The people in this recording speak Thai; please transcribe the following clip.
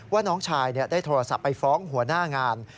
ว่าน้องชายได้โทรศัพท์ไปฟ้องหัวหน้างาน